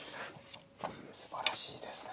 素晴らしいですね。